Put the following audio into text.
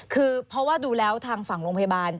คือเพราะว่าดูแล้วทางฝั่งโรงพยาบาล